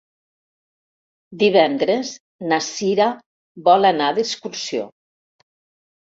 Divendres na Cira vol anar d'excursió.